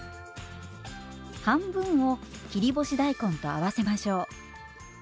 半分を切り干し大根と合わせましょう。